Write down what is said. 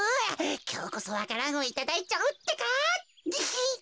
きょうこそわか蘭をいただいちゃうってか。ニヒ。